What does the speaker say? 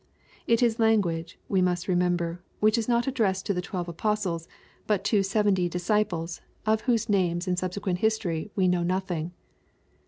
It is language, we must remember, which is not addressed to the twelve apostles, butip 358 BXPOSITOBT THOUGHTS. fleventy discipbs, of whose names and subsequent history we know nothing.